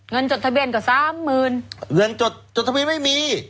จดทะเบียนกว่าสามหมื่นเงินจดจดทะเบียนไม่มี